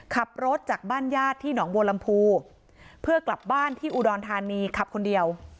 ขับรถจากบ้านญาติที่หนองบัวลำพูเพื่อกลับบ้านที่อุดรธานีขับคนเดียว